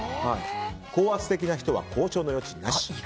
高圧的な人は交渉の余地なし。